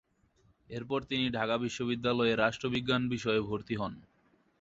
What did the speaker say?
এরপর তিনি ঢাকা বিশ্ববিদ্যালয়ে রাষ্ট্রবিজ্ঞান বিষয়ে ভর্তি হন।